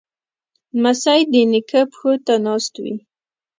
لمسی د نیکه پښو ته ناست وي.